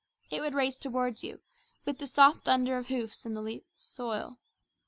It would race toward you, with the soft thunder of hoofs in the loose soil.